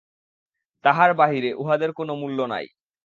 তাহার বাহিরে উহাদের কোন মূল্য নাই।